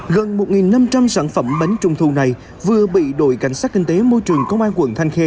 gần một năm trăm linh sản phẩm bánh trung thu này vừa bị đội cảnh sát kinh tế môi trường công an quận thanh khê